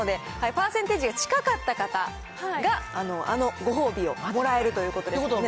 パーセンテージが近かった方が、あのごほうびをもらえるということですので。